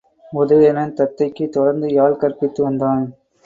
உதயணன் தத்தைக்குத் தொடர்ந்து யாழ் கற்பித்து வந்தான்.